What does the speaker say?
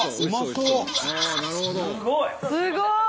すごい！